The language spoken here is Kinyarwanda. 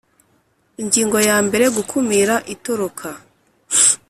Ingingo ya mbere Gukumira itoroka